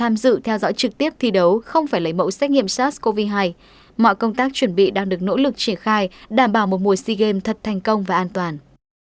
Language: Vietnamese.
mọi công tác chuẩn bị đang được nỗ lực triển khai đảm bảo một mùa sea games thật thành công và an toàn